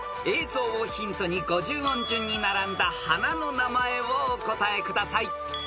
［映像をヒントに５０音順に並んだ花の名前をお答えください］